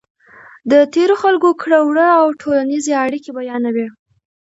د تېرو خلکو کړو وړه او ټولنیزې اړیکې بیانوي.